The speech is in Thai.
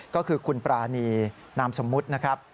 ก็คือคุณปรานีนามสมมุตินะครับ